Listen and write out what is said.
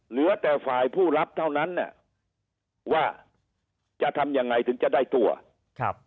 เหลือแต่ฝ่ายผู้รับเท่านั้นเนี่ยว่าจะทำยังไงถึงจะได้ตัวครับ